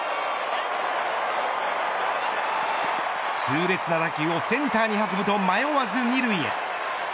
痛烈な打球をセンターに運ぶと迷わず２塁へ。